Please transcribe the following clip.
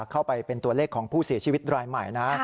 เข้าไปเป็นตัวเลขของผู้เสียชีวิตรายใหม่นะ